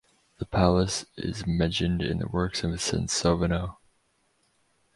The palace is mentioned in the works of Sansovino.